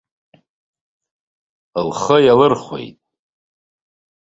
Лхы иалырхәеит.